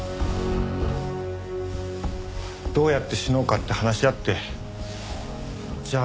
どうやって死のうかって話し合ってじゃあ